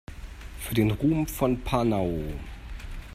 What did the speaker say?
Für den Ruhm von Panau!